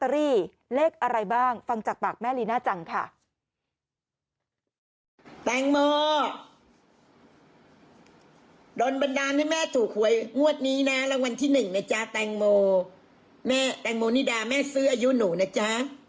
โรนบันดาลให้แม่ถูกควยงวดนี้ค่ะรางวัลที่หนึ่งแตงโมนิดาแม่ซื้ออายุหนูนะจ๊ะ